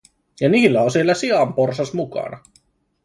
Ja niillä on siellä sianporsas mukana.